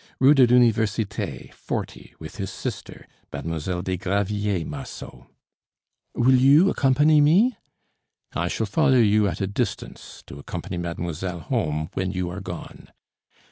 "Rue de l'Université, 40, with his sister, Mlle. Dégraviers Marceau." "Will you accompany me?" "I shall follow you at a distance, to accompany mademoiselle home when you are gone."